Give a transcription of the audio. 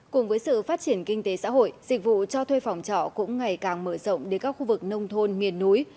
cùng với sự phát triển kinh tế xã hội dịch vụ cho thuê phòng trọ cũng ngày càng mở rộng đến các khu vực nông thôn miền núi